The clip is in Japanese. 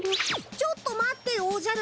ちょっと待ってよおじゃる！